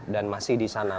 dan masih di sana